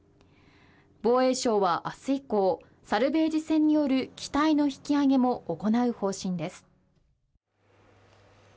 防衛省は明日以降、サルベージ船による機体の引き揚げも行う方針です。